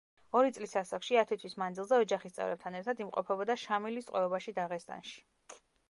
ორი წლის ასაკში, ათი თვის მანძილზე ოჯახის წევრებთან ერთად იმყოფებოდა შამილის ტყვეობაში დაღესტანში.